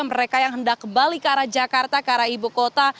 mereka yang hendak kembali ke arah jakarta ke arah ibu kota